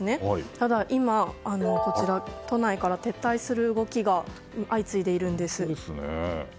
ただ今、都内から撤退する動きが相次いでいるんです。